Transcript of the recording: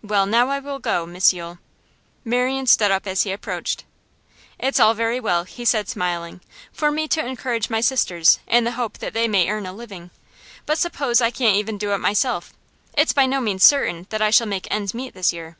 'Well, now I will go, Miss Yule.' Marian stood up as he approached. 'It's all very well,' he said, smiling, 'for me to encourage my sisters in the hope that they may earn a living; but suppose I can't even do it myself? It's by no means certain that I shall make ends meet this year.